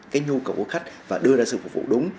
cái nhu cầu của khách và đưa ra sự phục vụ đúng